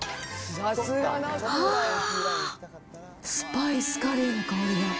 あー、スパイスカレーの香り。